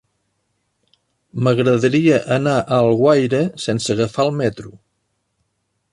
M'agradaria anar a Alguaire sense agafar el metro.